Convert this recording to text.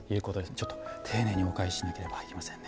ちょっと丁寧にお返ししなければいけませんね。